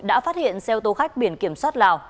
đã phát hiện xe ô tô khách biển kiểm soát lào